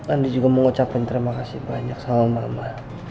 andi juga mau ngocapin terima kasih banyak sama mama